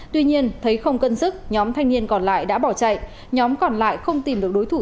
tuy nhiên thấy không cân sức nhóm thanh niên còn lại đã bỏ chạy nhóm còn lại không tìm được đối thủ